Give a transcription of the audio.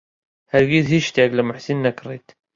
هەرگیز هیچ شتێک لە موحسین نەکڕیت.